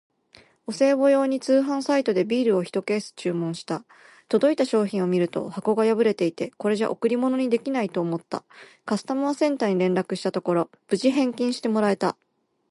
お歳暮用に通販サイトでビールをひとケース注文した。届いた商品を見ると箱が破れていて、これじゃ贈り物にできないと思った。カスタマーセンターに連絡したところ、無事返金してもらえた！